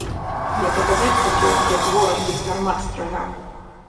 Я паказаць хацеў, як вораг ды з гармат страляў.